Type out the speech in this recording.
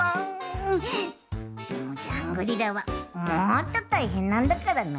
でもジャングリラはもっとたいへんなんだからな。